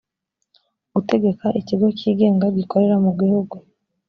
gutegeka ikigo cyigenga gikorera mu gihugu